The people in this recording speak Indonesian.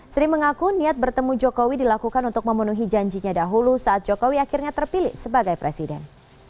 sri mengaku niat bertemu jokowi dilakukan untuk memenuhi janjinya dahulu saat jokowi akhirnya terpilih sebagai presiden